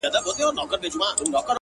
والله ه چي په تا پسي مي سترگي وځي ـ